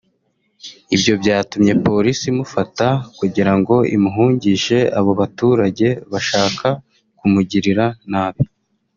Ibyo byatumye polisi imufata kugirango imuhungishe abo baturage bashaka kumugirira nabi